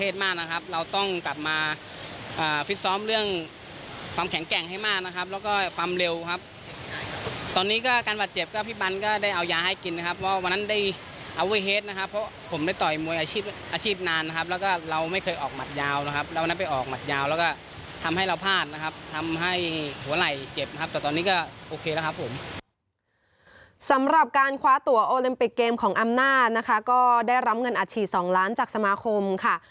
สำหรับการคว้าตัวโอลิมปิกเกมของอำนาจนะคะก็ได้รับเงินอัดฉีด๒ล้านจากสมาคมค่ะ